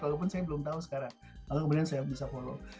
walaupun saya belum tahu sekarang lalu kemudian saya bisa follow